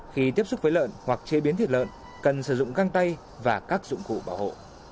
khi tiếp xúc với lợn hoặc chế biến thịt lợn cần sử dụng găng tay và các dụng cụ bảo hộ